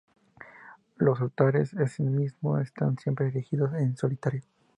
Los altares en sí mismos están siempre erigidos en solitario.